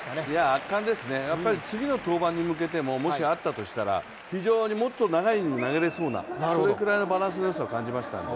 圧巻ですね、次の登板に向けても、あったとしても非常にもっと長いイニング投げれそうなそれくらいのバランスのよさを感じました。